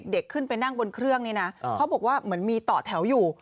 เด็กขึ้นไปนั่งบนเครื่องนี่นะเขาบอกว่าเหมือนมีต่อแถวอยู่